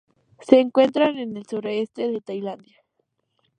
Se encuentra en el sureste de Tailandia.